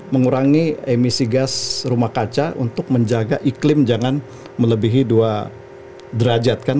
mengurangi emisi gas rumah kaca untuk menjaga iklim jangan melebihi dua derajat kan